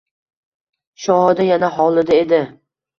Shohida yana hovlida edi